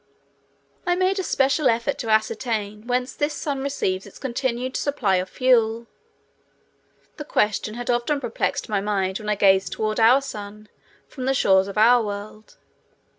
I made a special effort to ascertain whence this sun receives its continued supply of fuel. The question had often perplexed my mind when I gazed toward our Sun from the shores of our world.